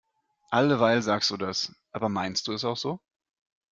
Alleweil sagst du das. Aber meinst du es auch so?